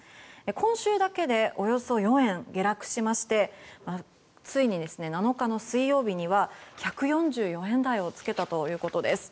今週だけでおよそ４円下落しましてついに７日の水曜日には１４４円台をつけたということです。